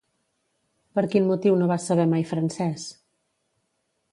Per quin motiu no va saber mai francès?